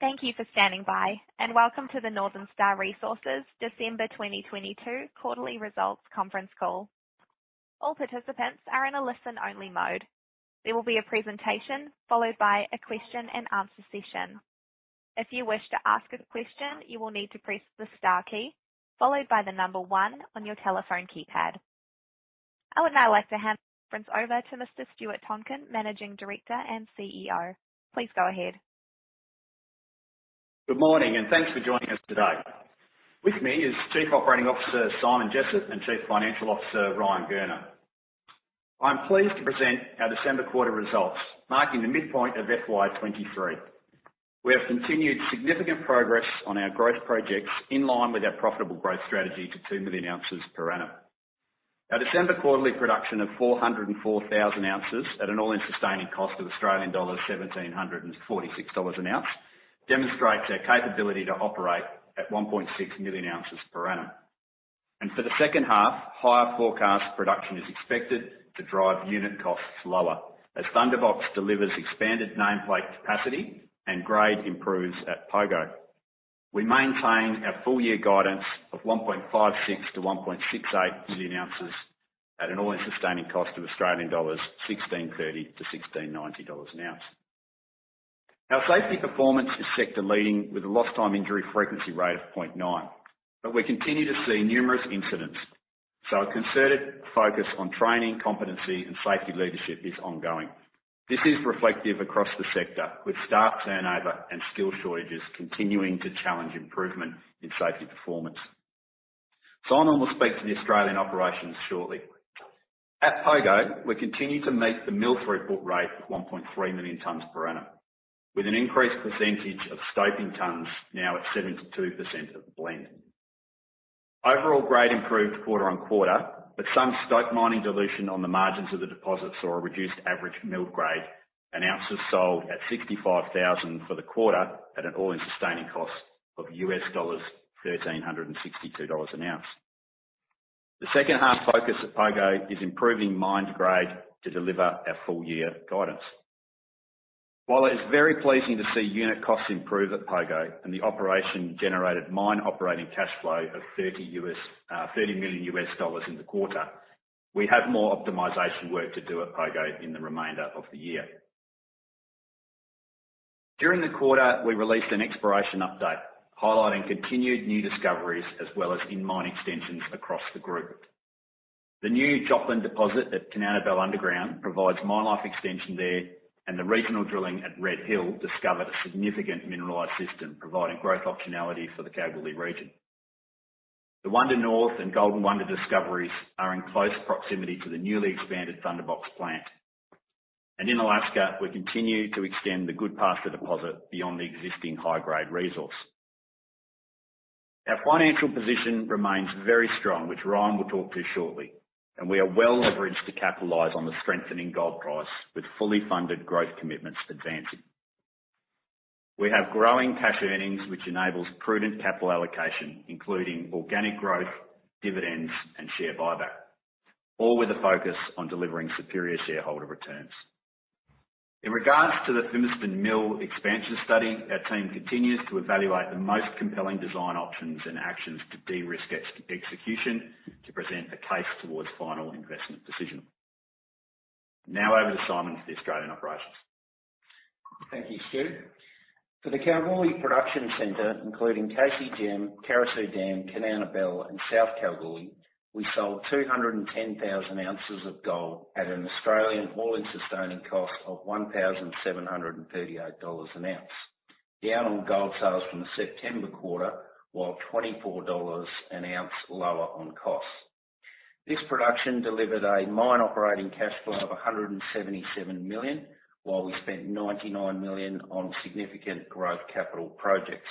Thank you for standing by, and welcome to the Northern Star Resources December 2022 quarterly results conference call. All participants are in a listen-only mode. There will be a presentation followed by a question-and-answer session. If you wish to ask a question, you will need to press the star key followed by the number 1 on your telephone keypad. I would now like to hand conference over to Mr. Stuart Tonkin, Managing Director and CEO. Please go ahead. Good morning. Thanks for joining us today. With me is Chief Operating Officer Simon Jessop and Chief Financial Officer Ryan Gurner. I'm pleased to present our December quarter results, marking the midpoint of FY23. We have continued significant progress on our growth projects in line with our profitable growth strategy to 2 million ounces per annum. Our December quarterly production of 404,000 ounces at an all-in sustaining cost of 1,746 dollars an ounce demonstrates our capability to operate at 1.6 million ounces per annum. For the second half, higher forecast production is expected to drive unit costs lower as Thunderbox delivers expanded nameplate capacity and grade improves at Pogo. We maintain our full year guidance of 1.56 million-1.68 million ounces at an all-in sustaining cost of 1,630-1,690 dollars an ounce. Our safety performance is sector leading with a lost time injury frequency rate of 0.9. We continue to see numerous incidents, so a concerted focus on training, competency and safety leadership is ongoing. This is reflective across the sector with staff turnover and skill shortages continuing to challenge improvement in safety performance. Simon will speak to the Australian operations shortly. At Pogo, we continue to meet the mill throughput rate of 1.3 million tonnes per annum, with an increased percentage of stoping tonnes now at 72% of the blend. Overall grade improved quarter on quarter. Some stope mining dilution on the margins of the deposits saw a reduced average mill grade. Ounces sold at 65,000 for the quarter at an all-in sustaining cost of US dollars $1,362 an ounce. The second half focus at Pogo is improving mined grade to deliver our full year guidance. It is very pleasing to see unit costs improve at Pogo and the operation generated mine operating cash flow of $30 million in the quarter, we have more optimization work to do at Pogo in the remainder of the year. During the quarter, we released an exploration update highlighting continued new discoveries as well as in-mine extensions across the group. The new Joplin Deposit at Kanowna Belle Underground provides mine life extension there, and the regional drilling at Red Hill discovered a significant mineralized system providing growth optionality for the Kalgoorlie region. The Wonder North and Golden Wonder discoveries are in close proximity to the newly expanded Thunderbox plant. In Alaska, we continue to extend the Goodpaster deposit beyond the existing high-grade resource. Our financial position remains very strong, which Ryan will talk to shortly. We are well leveraged to capitalize on the strengthening gold price with fully funded growth commitments advancing. We have growing cash earnings, which enables prudent capital allocation, including organic growth, dividends and share buyback, all with a focus on delivering superior shareholder returns. In regards to the Fimiston mill expansion study, our team continues to evaluate the most compelling design options and actions to de-risk execution to present a case towards final investment decision. Now over to Simon for the Australian operations. Thank you, Stuart. For the Kalgoorlie production center, including KCGM, Carosue Dam, Kanowna Belle, and South Kalgoorlie, we sold 210,000 ounces of gold at an Australian all-in sustaining cost of 1,738 dollars an ounce, down on gold sales from the September quarter, while 24 dollars an ounce lower on cost. This production delivered a mine operating cash flow of 177 million, while we spent 99 million on significant growth capital projects.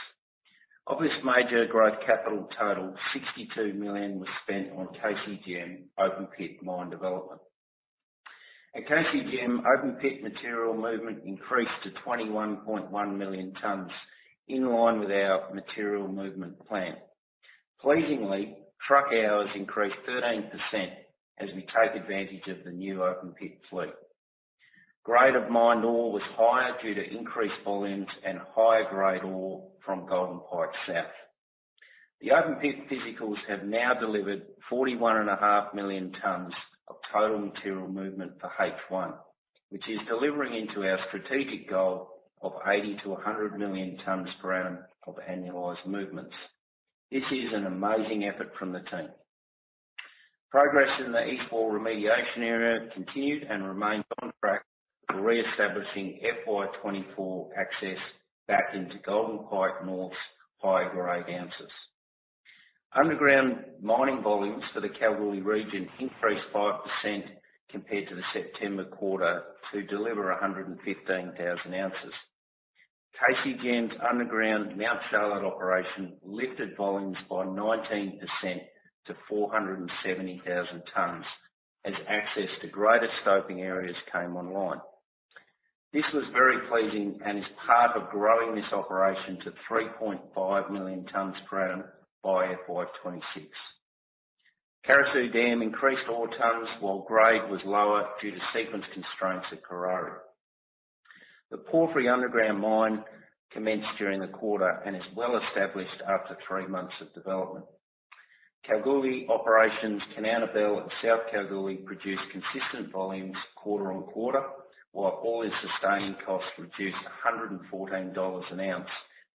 Of this major growth capital total, 62 million was spent on KCGM open-pit mine development. At KCGM, open-pit material movement increased to 21.1 million tonnes, in line with our material movement plan. Pleasingly, truck hours increased 13% as we take advantage of the new open-pit fleet. Grade of mined ore was higher due to increased volumes and higher grade ore from Golden Pike South. The open-pit physicals have now delivered 41.5 million tonnes of total material movement for H1, which is delivering into our strategic goal of 80 million tonnes-100 million tonnes per annum of annualized movements. This is an amazing effort from the team. Progress in the East Wall remediation area continued and remained on track for reestablishing FY24 access back into Golden Pike North's higher-grade ounces. Underground mining volumes for the Kalgoorlie region increased 5% compared to the September quarter to deliver 115,000 ounces. KCGM's underground Mt Charlotte operation lifted volumes by 19% to 470,000 tonnes as access to greater stoping areas came online. This was very pleasing and is part of growing this operation to 3.5 million tons per annum by FY26. Carosue Dam increased ore tons while grade was lower due to sequence constraints at Karari. The porphyry underground mine commenced during the quarter and is well established after three months of development. Kalgoorlie Operations, Kanowna Belle and South Kalgoorlie produced consistent volumes quarter on quarter, while all-in sustaining costs reduced 114 dollars an ounce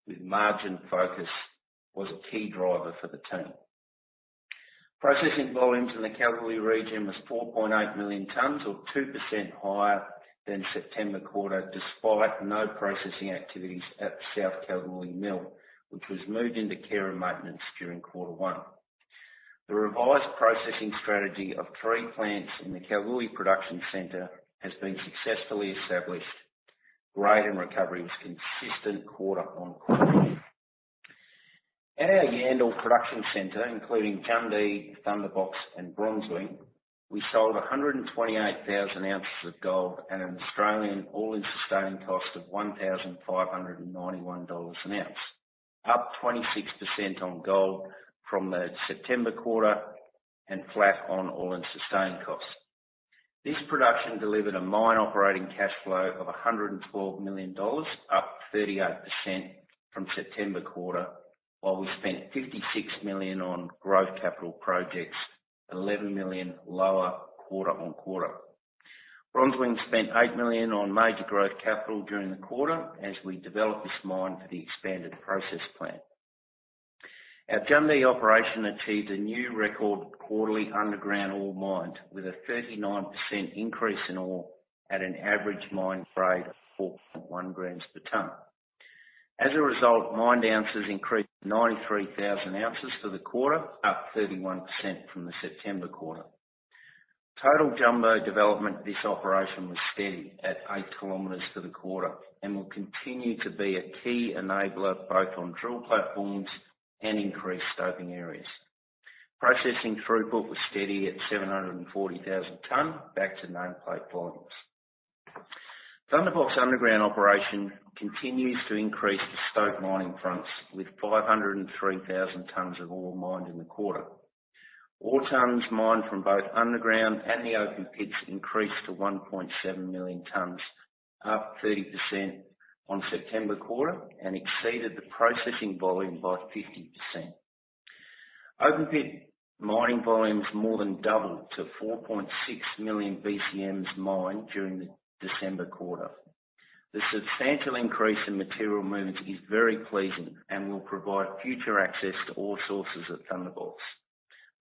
with margin focus was a key driver for the team. Processing volumes in the Kalgoorlie region was 4.8 million tons or 2% higher than September quarter, despite no processing activities at South Kalgoorlie Mill, which was moved into care and maintenance during quarter one. The revised processing strategy of three plants in the Kalgoorlie Production Center has been successfully established. Grade and recovery was consistent quarter on quarter. At our Yandal Production Center, including Jundee, Thunderbox and Bronzewing, we sold 128,000 ounces of gold at an Australian all-in sustaining cost of 1,591 dollars an ounce, up 26% on gold from the September quarter and flat on all-in sustaining costs. This production delivered a mine operating cash flow of 112 million dollars, up 38% from September quarter. We spent 56 million on growth capital projects, 11 million lower quarter-on-quarter. Bronzewing spent 8 million on major growth capital during the quarter as we develop this mine for the expanded process plant. Our Jundee operation achieved a new record quarterly underground ore mined with a 39% increase in ore at an average mine grade of 4.1 grams per tonne. As a result, mined ounces increased 93,000 ounces for the quarter, up 31% from the September quarter. Total jumbo development this operation was steady at 8 kilometers for the quarter and will continue to be a key enabler both on drill platforms and increased stoping areas. Processing throughput was steady at 740,000 tonnes back to nameplate volumes. Thunderbox underground operation continues to increase the stope mining fronts with 503,000 tonnes of ore mined in the quarter. Ore tonnes mined from both underground and the open pits increased to 1.7 million tonnes, up 30% on September quarter and exceeded the processing volume by 50%. Open pit mining volumes more than doubled to 4.6 million BCMs mined during the December quarter. The substantial increase in material movements is very pleasing and will provide future access to all sources at Thunderbox.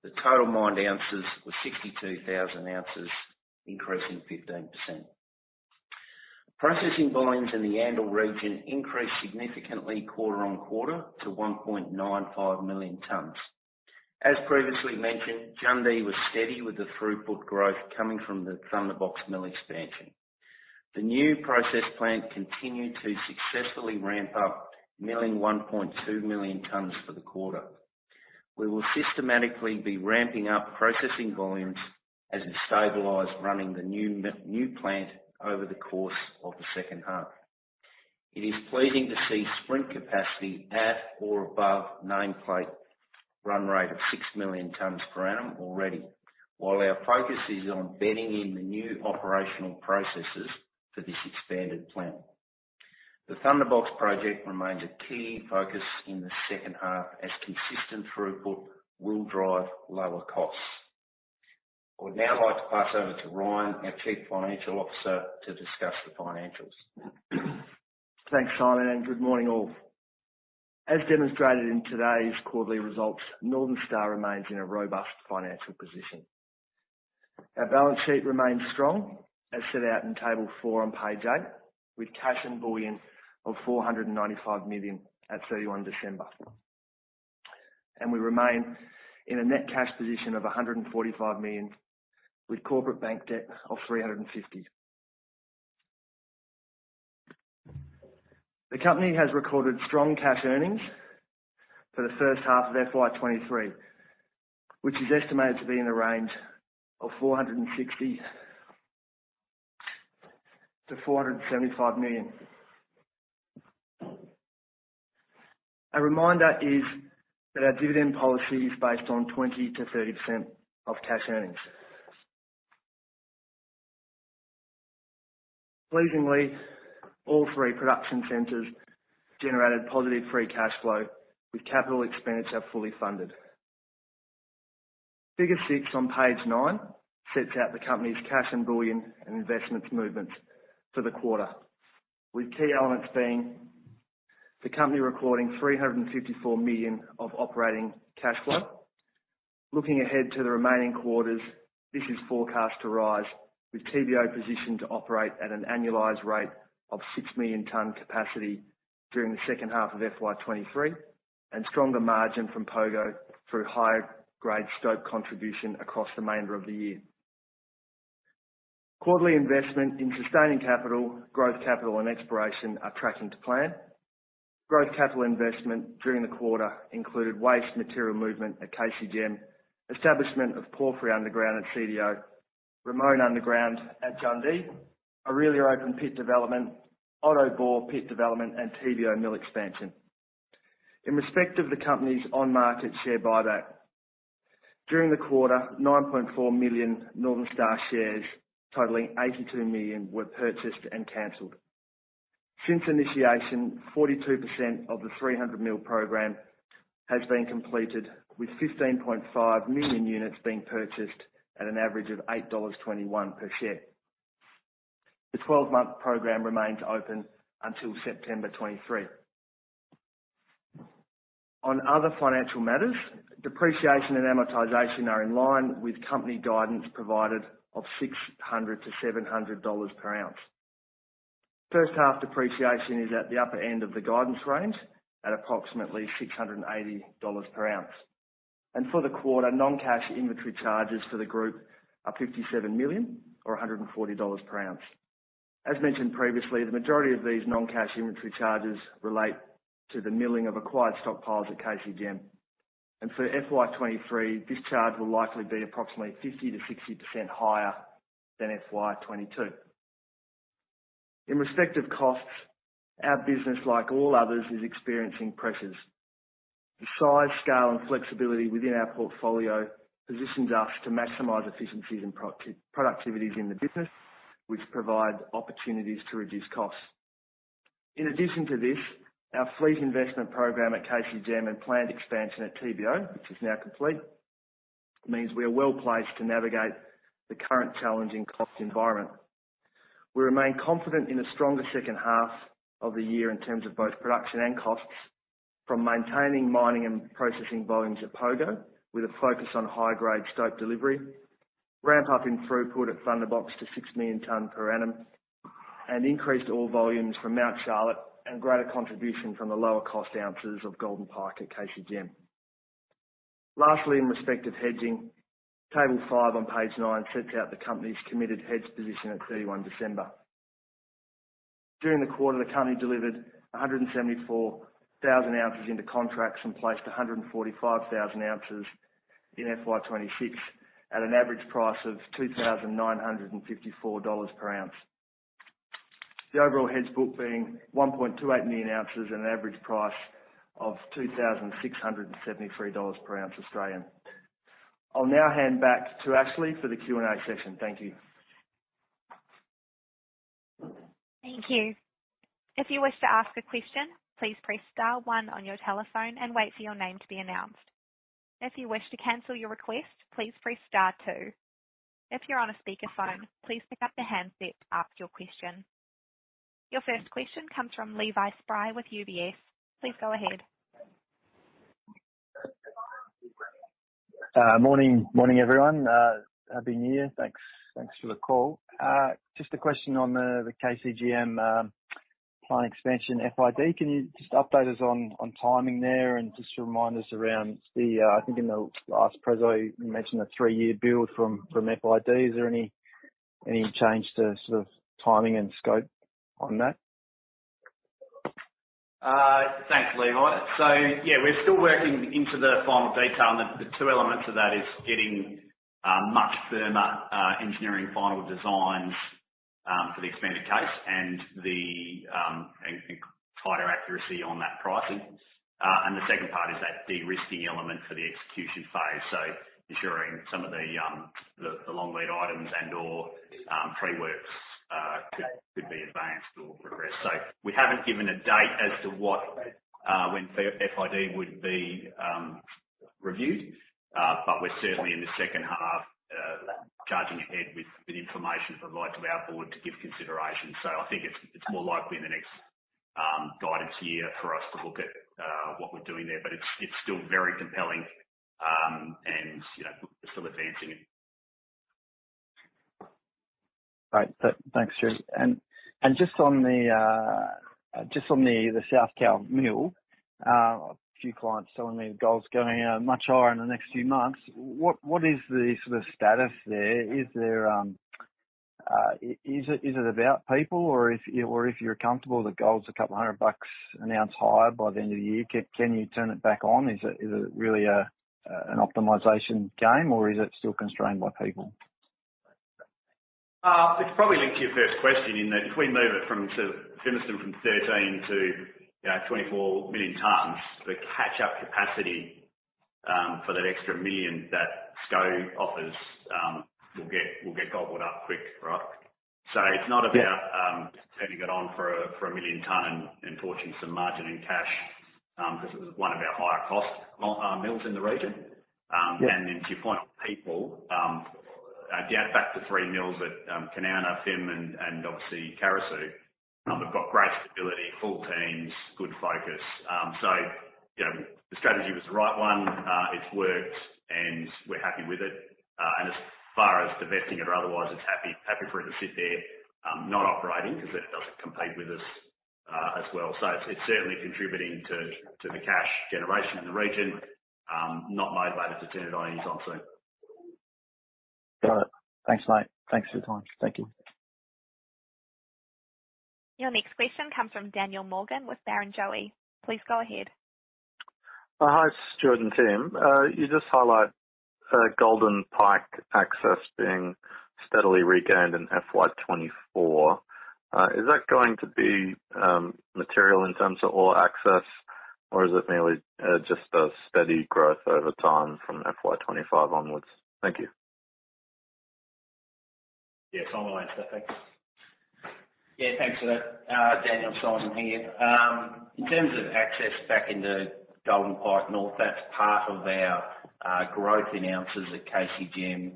The total mined ounces was 62,000 ounces, increasing 15%. Processing volumes in the Yandal region increased significantly quarter-on-quarter to 1.95 million tonnes. As previously mentioned, Jundee was steady with the throughput growth coming from the Thunderbox mill expansion. The new process plant continued to successfully ramp up, milling 1.2 million tonnes for the quarter. We will systematically be ramping up processing volumes as we stabilize running the new plant over the course of the second half. It is pleasing to see sprint capacity at or above nameplate run rate of 6 million tonnes per annum already. Our focus is on bedding in the new operational processes for this expanded plant. The Thunderbox project remains a key focus in the second half as consistent throughput will drive lower costs. I would now like to pass over to Ryan, our Chief Financial Officer, to discuss the financials. Thanks, Simon. Good morning all. As demonstrated in today's quarterly results, Northern Star remains in a robust financial position. Our balance sheet remains strong as set out in table 4 on page 8, with cash and bullion of 495 million at 31st December. We remain in a net cash position of 145 million, with corporate bank debt of 350 million. The company has recorded strong cash earnings for the first half of FY23, which is estimated to be in the range of 460 million-475 million. A reminder is that our dividend policy is based on 20%-30% of cash earnings. Pleasingly, all three production centers generated positive free cash flow, with capital expenditure fully funded. Figure 6 on page 9 sets out the company's cash and bullion and investments movements for the quarter, with key elements being the company recording 354 million of operating cash flow. Looking ahead to the remaining quarters, this is forecast to rise, with TBO positioned to operate at an annualized rate of 6 million ton capacity during the second half of FY23 and stronger margin from Pogo through higher grade stope contribution across the remainder of the year. Quarterly investment in sustaining capital, growth capital and exploration are tracking to plan. Growth capital investment during the quarter included waste material movement at KCGM, establishment of Porphyry underground at CDO, Ramone underground at Jundee, Aurelia open pit development, Otto Bore pit development and TBO mill expansion. In respect of the company's on-market share buyback. During the quarter, 9.4 million Northern Star shares, totaling 82 million, were purchased and canceled. Since initiation, 42% of the 300 mill program has been completed, with 15.5 million units being purchased at an average of 8.21 dollars per share. The 12-month program remains open until September 23rd. On other financial matters, depreciation and amortization are in line with company guidance provided of 600-700 dollars per ounce. First half depreciation is at the upper end of the guidance range at approximately 680 dollars per ounce. For the quarter, non-cash inventory charges for the group are 57 million or 140 dollars per ounce. As mentioned previously, the majority of these non-cash inventory charges relate to the milling of acquired stockpiles at KCGM. For FY23, this charge will likely be approximately 50%-60% higher than FY22. In respective costs, our business, like all others, is experiencing pressures. The size, scale, and flexibility within our portfolio positions us to maximize efficiencies and productivities in the business, which provide opportunities to reduce costs. In addition to this, our fleet investment program at KCGM and planned expansion at TBO, which is now complete, means we are well-placed to navigate the current challenging cost environment. We remain confident in a stronger second half of the year in terms of both production and costs from maintaining mining and processing volumes at Pogo, with a focus on high-grade stope delivery, ramp up in throughput at Thunderbox to 6 million tons per annum, and increased ore volumes from Mt Charlotte, and greater contribution from the lower cost ounces of Golden Pike at KCGM. Lastly, in respect of hedging, table 5 on page 9 sets out the company's committed hedge position at 31st December. During the quarter, the company delivered 174,000 ounces into contracts and placed 145,000 ounces in FY26 at an average price of 2,954 dollars per ounce. The overall hedge book being 1.28 million ounces at an average price of 2,673 dollars per ounce Australian. I'll now hand back to Ashley for the Q&A session. Thank you. Thank you. If you wish to ask a question, please press star one on your telephone and wait for your name to be announced. If you wish to cancel your request, please press star two. If you're on a speakerphone, please pick up the handset to ask your question. Your first question comes from Levi Spry with UBS. Please go ahead. Morning, morning, everyone. Happy new year. Thanks for the call. Just a question on the KCGM plant expansion FID. Can you just update us on timing there and remind us around the, I think in the last presentation, you mentioned a three-year build from FID? Is there any change to sort of timing and scope on that? Thanks, Levi. Yeah, we're still working into the final detail. The two elements of that is getting much firmer engineering final designs for the expanded case and tighter accuracy on that pricing. The second part is that de-risking element for the execution phase. Ensuring some of the long lead items and/or pre-works could be advanced or progressed. We haven't given a date as to what when FID would be reviewed, but we're certainly in the second half charging ahead with the information provided to our board to give consideration. I think it's more likely in the next guidance year for us to look at what we're doing there, but it's still very compelling, and, you know, we're still advancing it. Great. Thanks, Drew. Just on the, just on the South Kal mill, a few clients telling me the gold's going much higher in the next few months. What is the sort of status there? Is there, is it about people or if you're comfortable that gold's $200 an ounce higher by the end of the year, can you turn it back on? Is it really an optimization game or is it still constrained by people? It's probably linked to your first question in that if we move it from sort of Fimiston from 13 to, you know, 24 million tons, the catch-up capacity for that extra million that SCO offers, will get gobbled up quick, right? It's not about- Yeah. turning it on for 1 million tons and torching some margin and cash, because it was one of our higher cost mills in the region. Yeah. Then to your point on people, down back to 3 mills at Kanowna, Fimiston and obviously, Carosue, we've got great stability, full teams, good focus. You know, the strategy was the right one. It's worked and we're happy with it. As far as divesting it or otherwise, it's happy for it to sit there, not operating because it doesn't compete with us, as well. It's certainly contributing to the cash generation in the region, not motivated to turn it on any time soon. Got it. Thanks, mate. Thanks for the time. Thank you. Your next question comes from Daniel Morgan with Barrenjoey. Please go ahead. Hi, Stuart and team. You just highlight Golden Pike access being steadily regained in FY24. Is that going to be material in terms of ore access, or is it merely just a steady growth over time from FY25 onwards? Thank you. Yes. I'm gonna answer. Thanks. Yeah, thanks for that, Daniel. Simon here. In terms of access back into Golden Pike North, that's part of our growth in ounces at KCGM,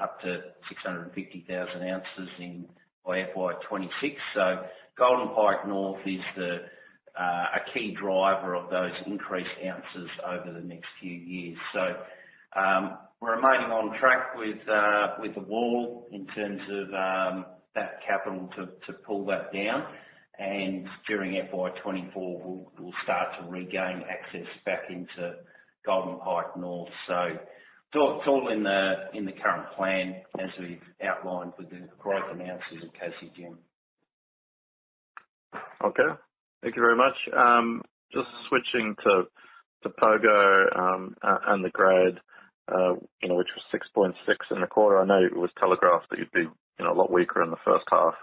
up to 650,000 ounces by FY26. Golden Pike North is the a key driver of those increased ounces over the next few years. We're remaining on track with the wall in terms of that capital to pull that down. During FY24 we'll start to regain access back into Golden Pike North. It's all in the current plan as we've outlined with the growth ounces at KCGM. Okay. Thank you very much. Just switching to Pogo, and the grade, you know, which was 6.6 in the quarter. I know it was telegraphed that you'd be, you know, a lot weaker in the first half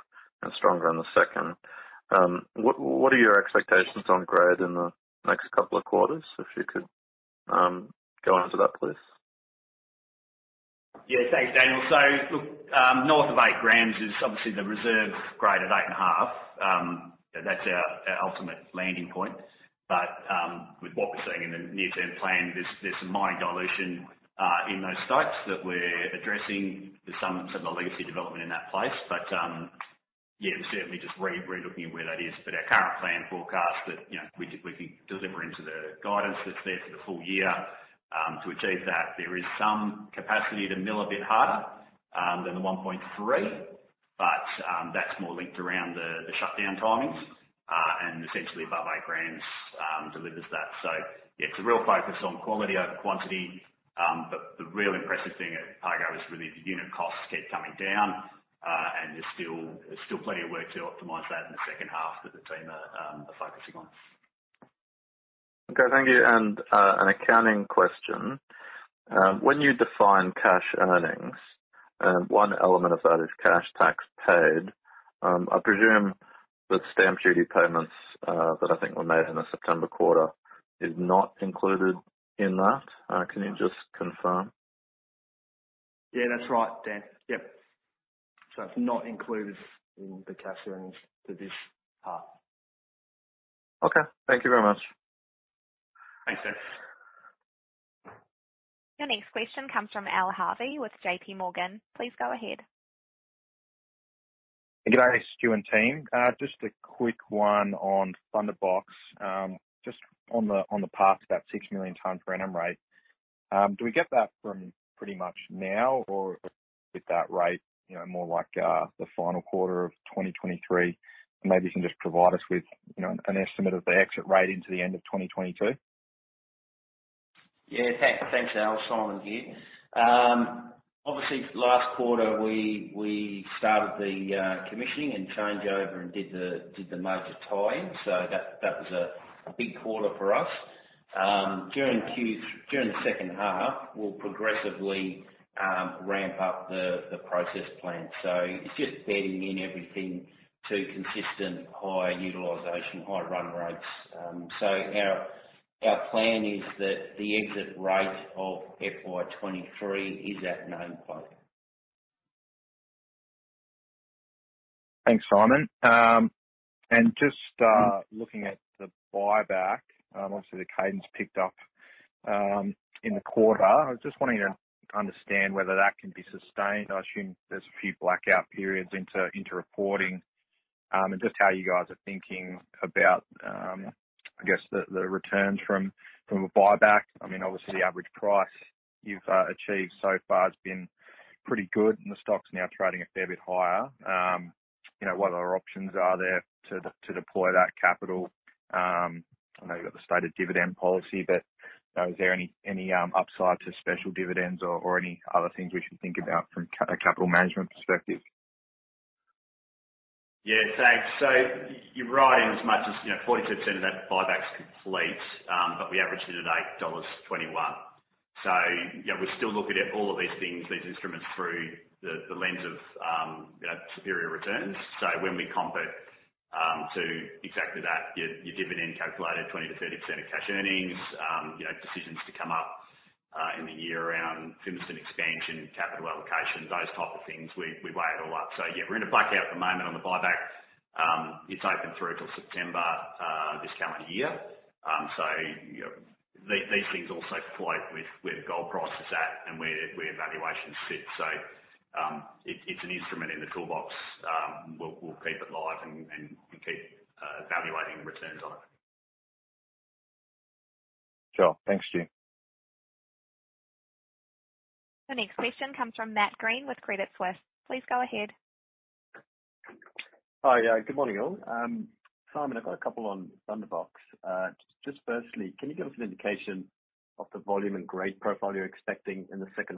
and stronger in the second. What are your expectations on grade in the next couple of quarters? If you could go on to that, please. Yeah. Thanks, Daniel. Look, north of 8 g is obviously the reserve grade of 8.5. That's our ultimate landing point. With what we're seeing in the near-term plan, there's some mining dilution in those stakes that we're addressing with some of the legacy development in that place. Yeah, we're certainly just relooking at where that is. Our current plan forecast that, you know, we can deliver into the guidance that's there for the full year to achieve that. There is some capacity to mill a bit harder than the 1.3, that's more linked around the shutdown timings and essentially above 8 g delivers that. Yeah, it's a real focus on quality over quantity. The real impressive thing at Pogo is really the unit costs keep coming down, and there's still plenty of work to optimize that in the second half that the team are focusing on. Okay, thank you. An accounting question. When you define cash earnings, and one element of that is cash tax paid, I presume that stamp duty payments that I think were made in the September quarter is not included in that. Can you just confirm? Yeah, that's right, Dan. Yep. It's not included in the cash earnings for this part. Okay. Thank you very much. Thanks, Dan. Your next question comes from Al Harvey with J.P. Morgan. Please go ahead. G'day, Stuart team. Just a quick one on Thunderbox. Just on the path to that 6 million tons per annum rate, do we get that from pretty much now or with that rate, you know, more like, the final quarter of 2023? Maybe you can just provide us with, you know, an estimate of the exit rate into the end of 2022. Yeah. Thanks. Thanks, Al. Simon here. Obviously last quarter we started the commissioning and change over and did the major tie-in. That was a big quarter for us. During the second half, we'll progressively ramp up the process plant. It's just bedding in everything to consistent high utilization, high run rates. Our plan is that the exit rate of FY23 is at known quote. Thanks, Simon. Just looking at the buyback, obviously the cadence picked up in the quarter. I was just wanting to understand whether that can be sustained. I assume there's a few blackout periods into reporting. Just how you guys are thinking about, I guess the returns from a buyback. I mean, obviously the average price you've achieved so far has been pretty good and the stock's now trading a fair bit higher. You know, what other options are there to deploy that capital? I know you've got the stated dividend policy, but, you know, is there any upside to special dividends or any other things we should think about from a capital management perspective? Yeah, thanks. You're right in as much as, you know, 42% of that buyback is complete. We averaged it at 8.21 dollars. Yeah, we're still looking at all of these things, these instruments through the lens of, you know, superior returns. When we comp it to exactly that, your dividend calculated 20%-30% of cash earnings, you know, decisions to come up in the year around Fimiston expansion, capital allocation, those type of things, we weigh it all up. Yeah, we're in a blackout at the moment on the buyback. It's open through till September this calendar year. You know, these things also play with where gold price is at and where evaluations sit. It's an instrument in the toolbox. We'll keep it live and keep evaluating returns on it. Sure. Thanks, Stu. The next question comes from Matthew Greene with Credit Suisse. Please go ahead. Hi. Yeah. Good morning, all. Simon, I've got a couple on Thunderbox. Just firstly, can you give us an indication of the volume and grade profile you're expecting in the second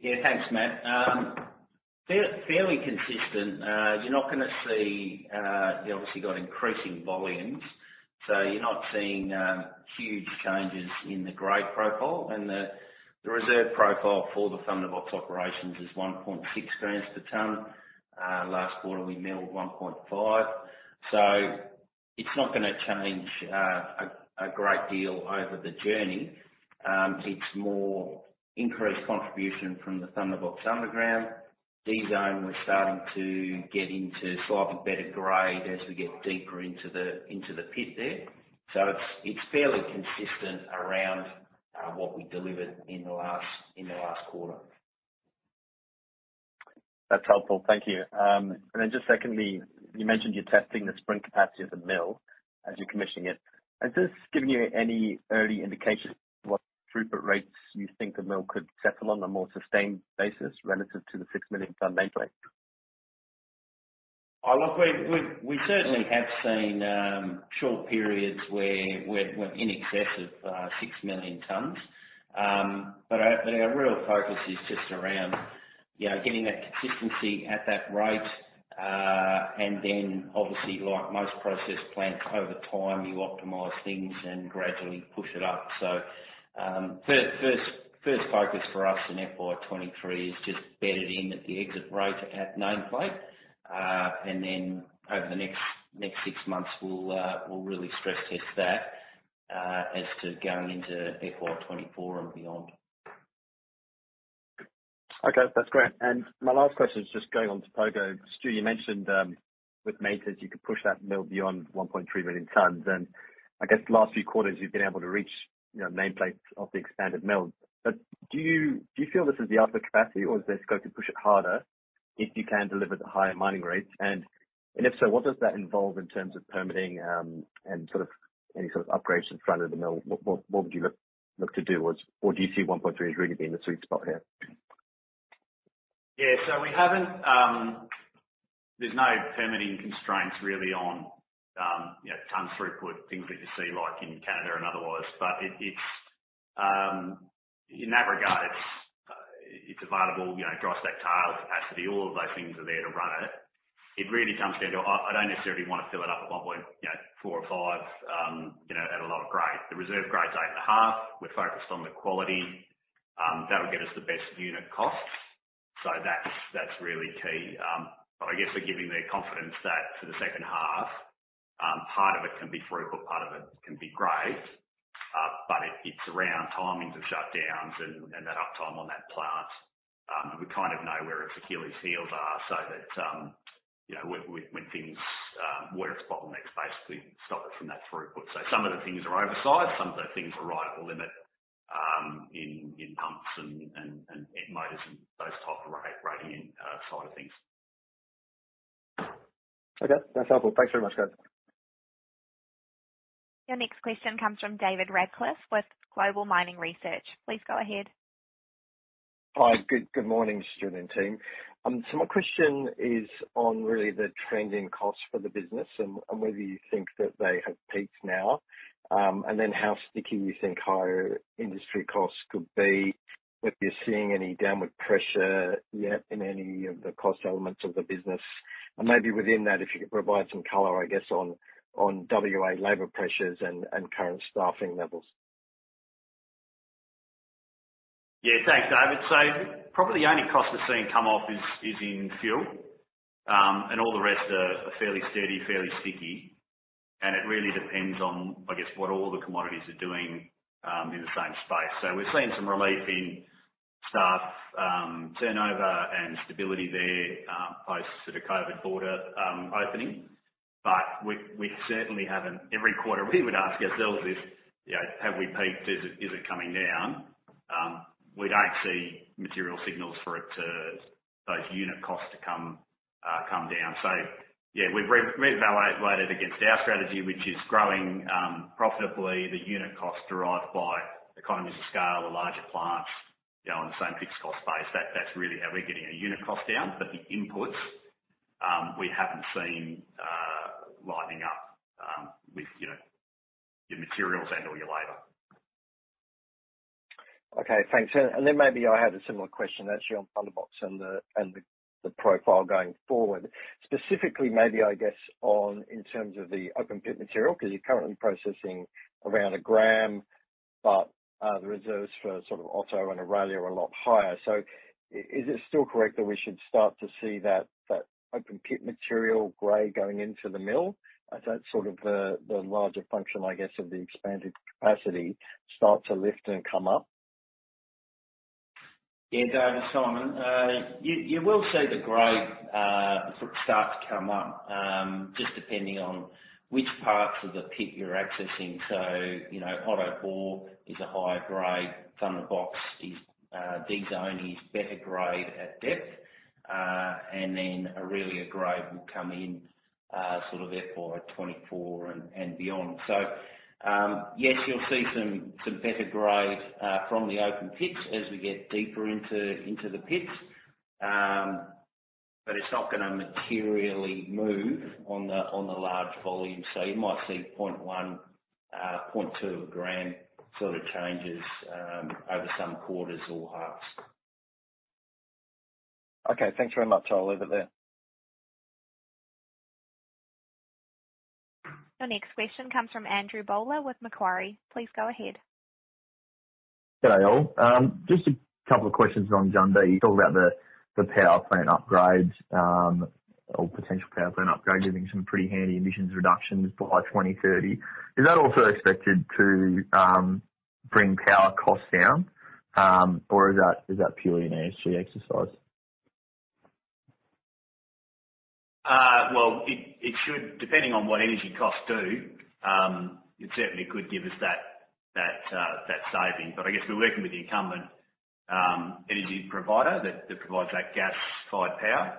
half from the open pit? Yeah, thanks, Matt. fairly consistent. you're not gonna see, you obviously got increasing volumes, so you're not seeing huge changes in the grade profile. The reserve profile for the Thunderbox operations is 1.6 grams per tonne. last quarter we milled 1.5. It's not gonna change a great deal over the journey. It's more increased contribution from the Thunderbox underground. D zone, we're starting to get into slightly better grade as we get deeper into the pit there. It's fairly consistent around what we delivered in the last quarter. That's helpful. Thank you. Just secondly, you mentioned you're testing the sprint capacity of the mill as you're commissioning it. Has this given you any early indication what throughput rates you think the mill could settle on a more sustained basis relative to the 6 million tonne nameplate? Oh, look, we've we certainly have seen short periods where we're we're in excess of 6 million tons. Our real focus is just around, you know, getting that consistency at that rate. Then obviously, like most process plants over time, you optimize things and gradually push it up. First focus for us in FY23 is just bed it in at the exit rate at nameplate. Then over the next 6 months, we'll really stress test that as to going into FY24 and beyond. Okay. That's great. My last question is just going on to Pogo. Stu, you mentioned with maintenance you could push that mill beyond 1.3 million tons. I guess the last few quarters you've been able to reach, you know, nameplate of the expanded mill. Do you feel this is the output capacity or is this going to push it harder if you can deliver the higher mining rates? If so, what does that involve in terms of permitting and sort of any sort of upgrades in front of the mill? What would you look to do? Or do you see 1.3 as really being the sweet spot here? Yeah. We haven't. There's no permitting constraints really on, you know, tonne throughput, things that you see like in Canada and otherwise. It's, in that regard it's available, you know, dry stack tailings capacity. All of those things are there to run it. It really comes down to I don't necessarily want to fill it up at 1.4 or 1.5, you know, at a lower grade. The reserve grade's 8.5. We're focused on the quality that would get us the best unit costs. That's really key. I guess we're giving the confidence that for the second half, part of it can be throughput, part of it can be grade, but it's around timings of shutdowns and that uptime on that plant. We kind of know where its Achilles heels are so that, you know, when things where its bottlenecks basically stop it from that throughput. Some of the things are oversized, some of the things are right at the limit, in pumps and motors and those type of rating side of things. Okay. That's helpful. Thanks very much, guys. Your next question comes from David Radclyffe with Global Mining Research. Please go ahead. Hi. Good morning, Stuart and team. My question is on really the trending costs for the business and whether you think that they have peaked now. Then how sticky you think higher industry costs could be, if you're seeing any downward pressure yet in any of the cost elements of the business. Maybe within that, if you could provide some color, I guess on WA labor pressures and current staffing levels. Yeah. Thanks, David. Probably the only cost we're seeing come off is in fuel. All the rest are fairly sturdy, fairly sticky. It really depends on, I guess, what all the commodities are doing in the same space. We're seeing some relief in staff turnover and stability there post sort of COVID border opening. We certainly haven't. Every quarter we would ask ourselves if, you know, have we peaked? Is it coming down? We don't see material signals for it to. Those unit costs to come down. Yeah, we've re-evaluated against our strategy, which is growing profitably the unit cost derived by economies of scale of larger plants, you know, on the same fixed cost base. That's really how we're getting our unit cost down. The inputs, we haven't seen lightening up, with, you know, your materials and/or your labor. Okay. Thanks. Then maybe I had a similar question actually on Thunderbox and the profile going forward. Specifically maybe I guess on in terms of the open pit material, because you're currently processing around a gram, but the reserves for sort of Otto and Aurelia are a lot higher. Is it still correct that we should start to see that open pit material gray going into the mill as that's sort of the larger function, I guess, of the expanded capacity start to lift and come up? David, Simon, you will see the grade start to come up, just depending on which parts of the pit you're accessing. You know, Otto Bore is a higher grade. Thunderbox is D zone is better grade at depth. Aurelia grade will come in sort of FY24 and beyond. Yes, you'll see some better grade from the open pits as we get deeper into the pits. It's not gonna materially move on the large volume. You might see 0.1, 0.2 g sort of changes over some quarters or halves. Okay, thanks very much. I'll leave it there. Your next question comes from Andrew Bowler with Macquarie. Please go ahead. G'day all. Just a couple of questions on Jundee. You talk about the power plant upgrades or potential power plant upgrade giving some pretty handy emissions reductions by 2030. Is that also expected to bring power costs down? Or is that purely an ESG exercise? Well, it should. Depending on what energy costs do, it certainly could give us that saving. I guess we're working with the incumbent energy provider that provides that gas-fired power.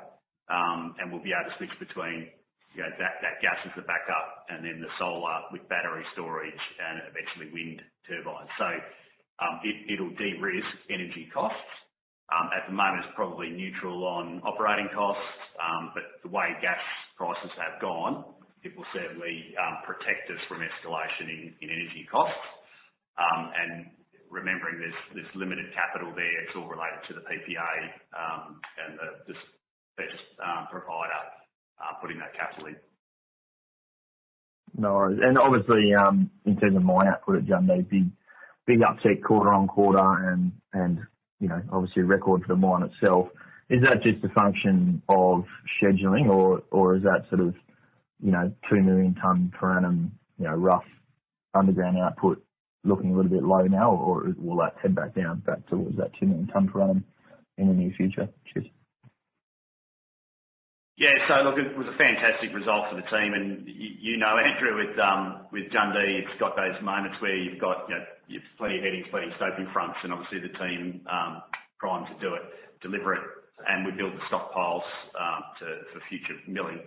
We'll be able to switch between, you know, that gas as the backup and then the solar with battery storage and eventually wind turbines. It'll de-risk energy costs. At the moment it's probably neutral on operating costs. The way gas prices have gone, it will certainly protect us from escalation in energy costs. Remembering there's limited capital there. It's all related to the PPA and this specialist provider putting that capital in. No worries. Obviously, in terms of mine output at Jundee, big uptick quarter on quarter and, you know, obviously a record for the mine itself. Is that just a function of scheduling or is that sort of, you know, 2 million tonne per annum, you know, rough underground output looking a little bit low now or will that head back down towards that 2 million tonne per annum in the near future? Cheers. Look, it was a fantastic result for the team. You know, Andrew, with Jundee, it's got those moments where you've got, you know, plenty of headings, plenty of stoping fronts, and obviously the team primed to do it, deliver it, and we build the stockpiles to for future milling.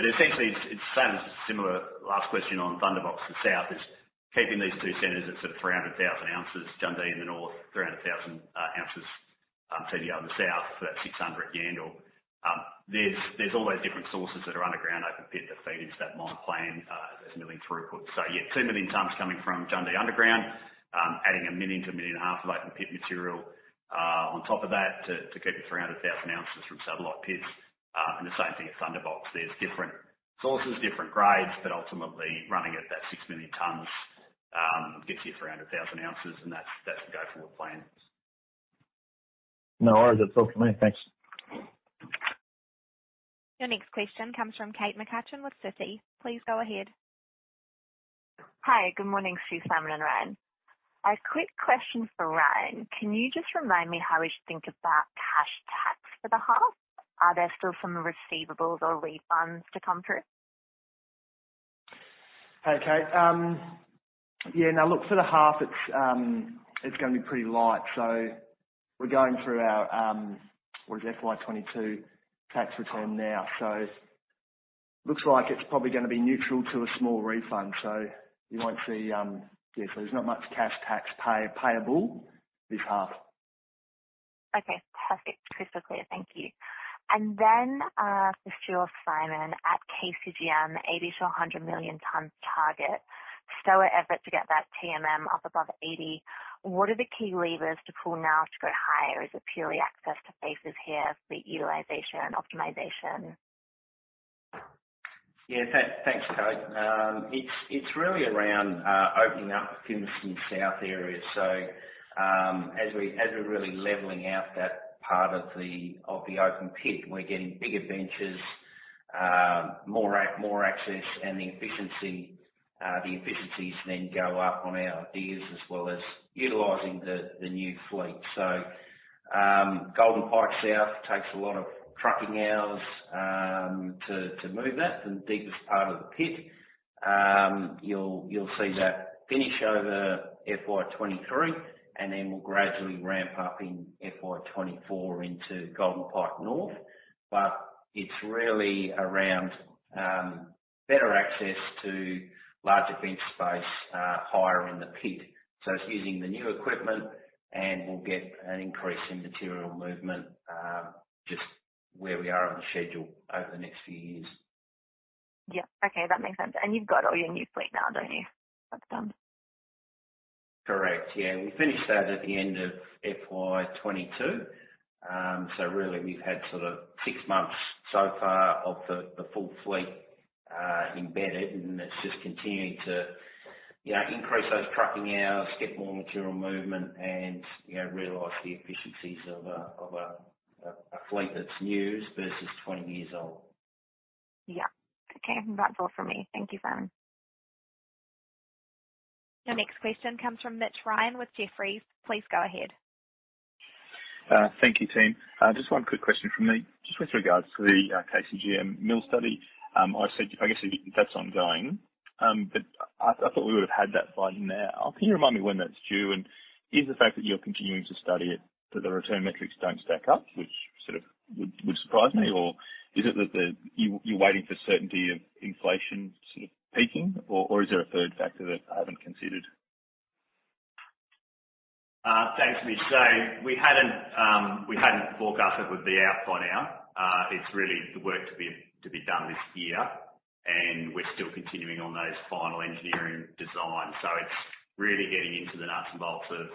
Essentially, it's same as the similar last question on Thunderbox. The south is keeping these two centers at sort of 300,000 ounces, Jundee in the north, 300,000 ounces, Thunderbox in the south for that 600 Yandal. There's all those different sources that are underground open pit that feed into that mine plan, those milling throughput. Yeah, 2 million tons coming from Jundee underground, adding 1 million to 1.5 million of open pit material on top of that to keep it 300,000 ounces from satellite pits. The same thing at Thunderbox. There's different sources, different grades, but ultimately running at that 6 million tons gets you 300,000 ounces and that's the go forward plan. No worries. That's all from me. Thanks. Your next question comes from Kate McCutcheon with Citi. Please go ahead. Hi. Good morning Stu, Simon, and Ryan. A quick question for Ryan. Can you just remind me how we should think about cash tax for the half? Are there still some receivables or refunds to come through? Hey, Kate. yeah, now look for the half it's gonna be pretty light. We're going through our, what is FY22 tax return now. looks like it's probably gonna be neutral to a small refund. you won't see, yeah, so there's not much cash tax payable this half. Okay, perfect. Crystal clear. Thank you. For Stu or Simon at KCGM, 80 to 100 million ton target, stellar effort to get that TMM up above 80. What are the key levers to pull now to go higher? Is it purely access to faces here for utilization and optimization? Yeah. Thanks, Kate. It's really around opening up the Simpson South area. As we're really leveling out that part of the open pit, we're getting bigger benches, more access and the efficiencies then go up on our digs as well as utilizing the new fleet. Golden Pike South takes a lot of trucking hours to move that, the deepest part of the pit. You'll see that finish over FY23, we'll gradually ramp up in FY24 into Golden Pike North. It's really around better access to larger bench space, higher in the pit. It's using the new equipment and we'll get an increase in material movement, just where we are on the schedule over the next few years. Yeah. Okay, that makes sense. You've got all your new fleet now, don't you? That's done. Correct. Yeah. We finished that at the end of FY22. Really we've had sort of 6 months so far of the full fleet embedded and it's just continuing to, you know, increase those trucking hours, get more material movement and, you know, realize the efficiencies of a fleet that's new versus 20 years old. Yeah. Okay. That's all from me. Thank you, Simon. Your next question comes from Mitch Ryan with Jefferies. Please go ahead. Thank you, team. Just one quick question from me. Just with regards to the KCGM mill study. I guess that's ongoing. I thought we would have had that by now. Can you remind me when that's due? Is the fact that you're continuing to study it that the return metrics don't stack up, which sort of would surprise me? Is it that you waiting for certainty of inflation sort of peaking or is there a third factor that I haven't considered? Thanks, Mitch. We hadn't forecast it would be out by now. It's really the work to be done this year, and we're still continuing on those final engineering designs. It's really getting into the nuts and bolts of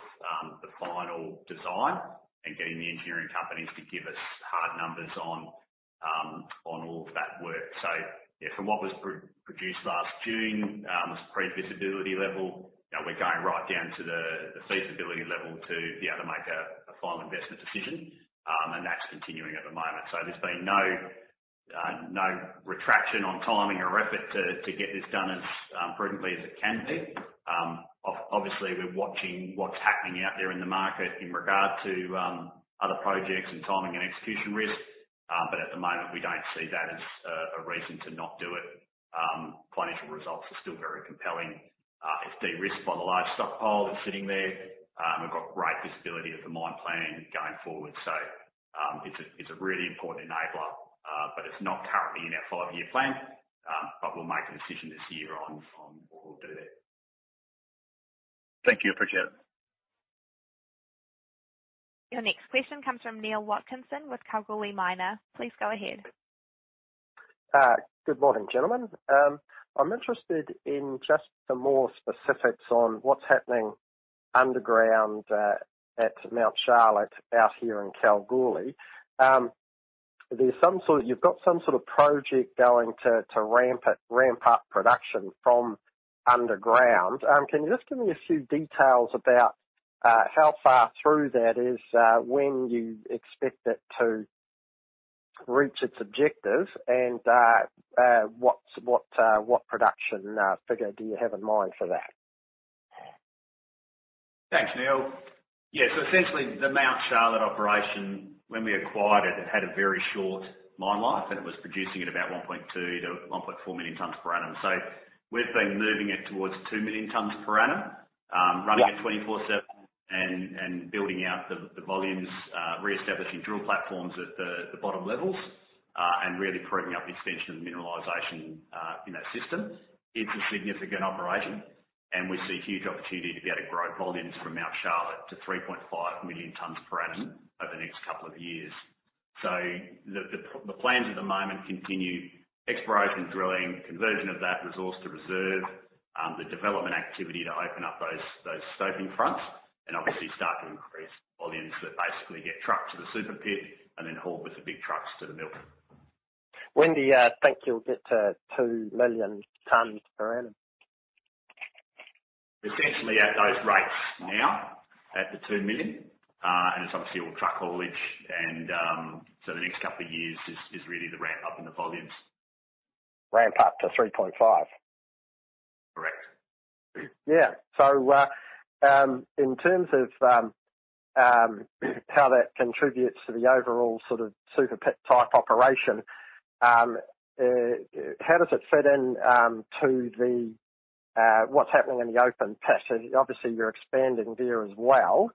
the final design and getting the engineering companies to give us hard numbers on all of that work. From what was produced last June, it's pre-feasibility level. Now we're going right down to the feasibility level to be able to make a final investment decision. That's continuing at the moment. There's been no retraction on timing or effort to get this done as prudently as it can be. Obviously, we're watching what's happening out there in the market in regard to other projects and timing and execution risk. At the moment, we don't see that as a reason to not do it. Financial results are still very compelling if de-risked by the large stockpile that's sitting there. We've got great visibility of the mine planning going forward. It's a really important enabler, but it's not currently in our five-year plan. We'll make a decision this year on what we'll do there. Thank you. Appreciate it. Your next question comes from Neil Watkinson with Kalgoorlie Miner. Please go ahead. Good morning, gentlemen. I'm interested in just some more specifics on what's happening underground at Mt Charlotte out here in Kalgoorlie. You've got some sort of project going to ramp up production from underground. Can you just give me a few details about how far through that is when you expect it to reach its objectives? What's what production figure do you have in mind for that? Thanks, Neil. Yeah. Essentially, the Mount Charlotte operation, when we acquired it had a very short mine life, and it was producing at about 1.2 million-1.4 million tons per annum. We've been moving it towards 2 million tons per annum, running it 24/7 and building out the volumes, reestablishing drill platforms at the bottom levels, and really proving up the extension of the mineralization in that system. It's a significant operation, and we see huge opportunity to be able to grow volumes from Mount Charlotte to 3.5 million tons per annum over the next couple of years. The plans at the moment continue exploration, drilling, conversion of that resource to reserve, the development activity to open up those stoping fronts, and obviously start to increase volumes that basically get trucked to the Super Pit and then hauled with the big trucks to the mill. When do you think you'll get to 2 million tons per annum? Essentially at those rates now at the 2 million, and it's obviously all truck haulage and, so the next couple of years is really the ramp up in the volumes. Ramp up to 3.5? Correct. Yeah. In terms of how that contributes to the overall sort of Super Pit type operation, how does it fit in to what's happening in the open pit? Obviously you're expanding there as well.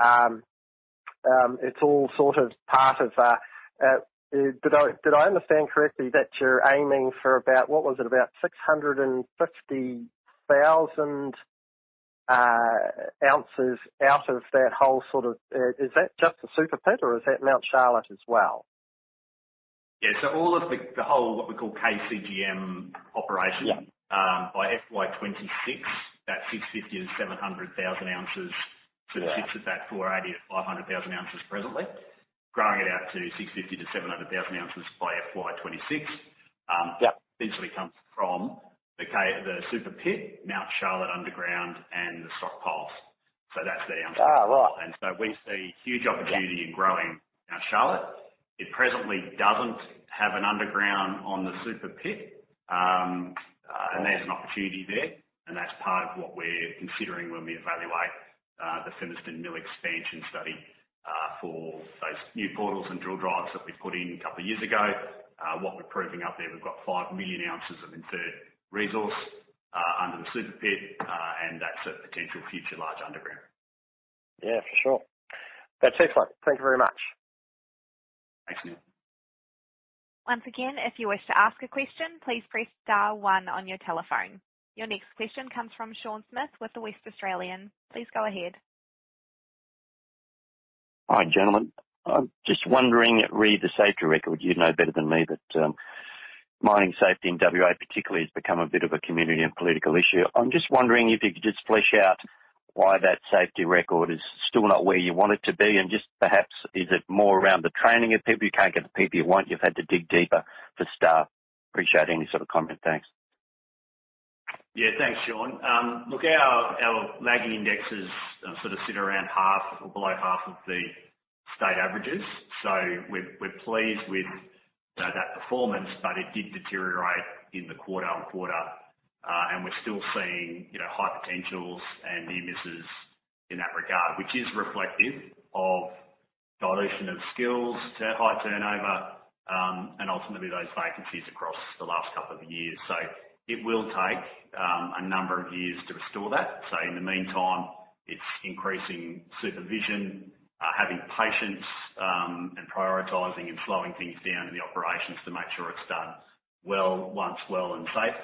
It's all sort of part of, did I understand correctly that you're aiming for about, what was it? About 650,000 ounces out of that whole sort of... Is that just the Super Pit, or is that Mt Charlotte as well? Yeah. All of the whole what we call KCGM operation- Yeah. by FY26, that 650,000-700,000 ounces. Yeah. It sits at that 480,000-500,000 ounces presently. Growing it out to 650,000-700,000 ounces by FY26. Yeah. Essentially comes from the Super Pit, Mount Charlotte underground and the stockpiles. That's the answer. Oh, right. We see huge opportunity in growing Mt Charlotte. It presently doesn't have an underground on the super pit. And there's an opportunity there, and that's part of what we're considering when we evaluate the Fimiston Mill expansion study for those new portals and drill drives that we put in a couple of years ago. What we're proving up there, we've got 5 million ounces of inferred resource under the super pit, and that's a potential future large underground. Yeah, for sure. That's excellent. Thank you very much. Thanks, Neil. Once again, if you wish to ask a question, please press star 1 on your telephone. Your next question comes from Sean Smith with The West Australian. Please go ahead. Hi, gentlemen. I'm just wondering, Reid, the safety record, you'd know better than me, but mining safety in WA particularly has become a bit of a community and political issue. I'm just wondering if you could just flesh out why that safety record is still not where you want it to be and just perhaps is it more around the training of people? You can't get the people you want. You've had to dig deeper for staff. Appreciate any sort of comment. Thanks. Thanks, Sean. Look, our lagging indexes, sort of sit around half or below half of the state averages. We're, we're pleased with that performance. It did deteriorate in the quarter-on-quarter. We're still seeing, you know, high potentials and near misses in that regard, which is reflective of dilution of skills, high turnover, and ultimately those vacancies across the last couple of years. It will take a number of years to restore that. In the meantime, it's increasing supervision, having patience, and prioritizing and slowing things down in the operations to make sure it's done well, once well and safe.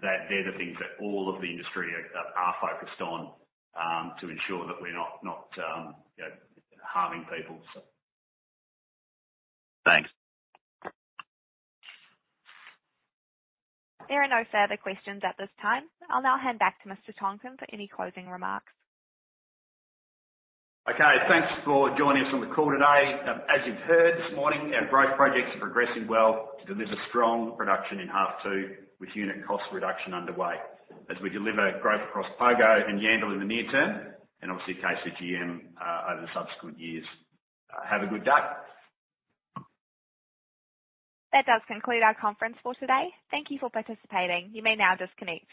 They're the things that all of the industry are focused on to ensure that we're not, you know, harming people, so. Thanks. There are no further questions at this time. I'll now hand back to Mr. Tonkin for any closing remarks. Thanks for joining us on the call today. As you've heard this morning, our growth projects are progressing well to deliver strong production in half two, with unit cost reduction underway as we deliver growth across Pogo and Yandal in the near term and obviously KCGM over the subsequent years. Have a good day. That does conclude our conference for today. Thank you for participating. You may now disconnect.